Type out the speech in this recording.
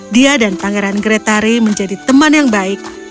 dia dan pangeran gretari menjadi teman yang baik